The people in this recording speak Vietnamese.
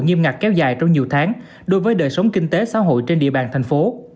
nghiêm ngặt kéo dài trong nhiều tháng đối với đời sống kinh tế xã hội trên địa bàn thành phố